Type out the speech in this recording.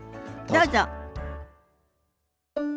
どうぞ。